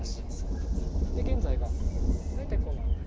現在は大体この辺り。